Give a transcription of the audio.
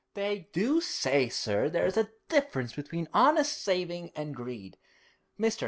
'They do say, sir, there's a difference between honest saving and greed. Mr.